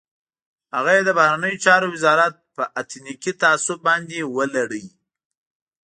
هغه یې د بهرنیو چارو وزارت په اتنیکي تعصب باندې ولړلو.